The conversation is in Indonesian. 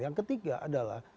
yang ketiga adalah